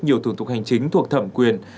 nhiều thủ tục hành chính thuộc thẩm quyền